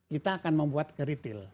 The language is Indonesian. kita akan membuat ke retail